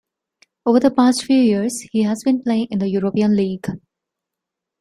Over the past few years he has been playing in the European league.